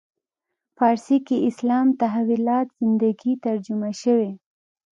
فارسي کې اسلام تحولات زندگی ترجمه شوی.